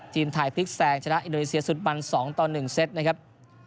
ทีมไทยพลิกแซงชนะอินโดนีเซียสุดมัน๒ต่อ๑เซตนะครับ